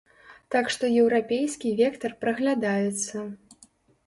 Так што еўрапейскі вектар праглядаецца.